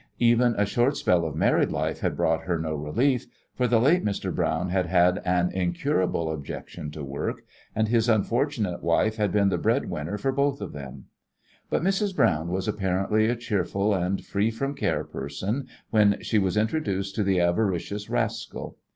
Even a short spell of married life had brought her no relief, for the late Mr. Browne had had an incurable objection to work, and his unfortunate wife had been the breadwinner for both of them. But Mrs. Browne was apparently a cheerful and free from care person when she was introduced to the avaricious rascal.